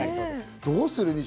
どうする？